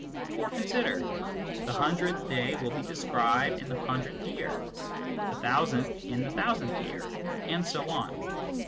For consider : the hundredth day will be described in the hundredth year, the thousandth in the thousandth year, and so on.